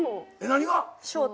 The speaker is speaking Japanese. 何が？